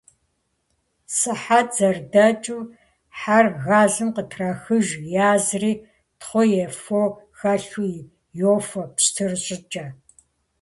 Сыхьэт зэрыдэкӀыу, хьэр газым къытрахыж, язри, тхъу е фо хэлъу йофэ пщтыр щӀыкӀэ.